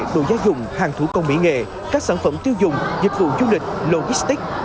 đồ gia dụng hàng thủ công mỹ nghệ các sản phẩm tiêu dùng dịch vụ du lịch logistic